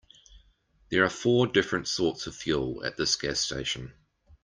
There are four different sorts of fuel at this gas station.